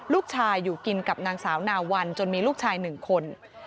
ลูกชายอยู่กินกับนางสาวนาวันจนมีลูกชาย๑คน